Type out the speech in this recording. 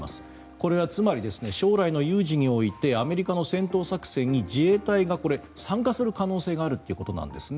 これはつまり将来の有事においてアメリカの戦闘作戦に自衛隊が参加する可能性があるということなんですね。